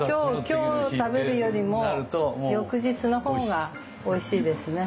今日食べるよりも翌日の方がおいしいですね。